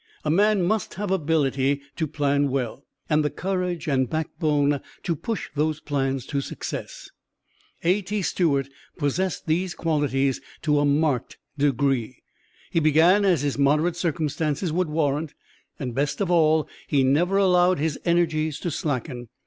A man must have ability to plan well, and the courage and backbone to push those plans to success. A. T. Stewart possessed these qualities to a marked degree. He began as his moderate circumstances would warrant, and best of all he never allowed his energies to slacken.